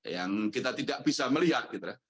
yang kita tidak bisa melihat